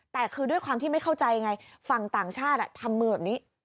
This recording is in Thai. แต่คือด้วยความที่ไม่เข้าใจไงฝั่งต่างชาติทำมือแบบนี้